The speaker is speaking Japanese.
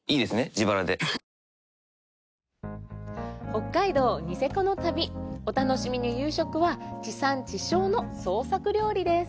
自腹で北海道・ニセコの旅お楽しみの夕食は地産地消の創作料理です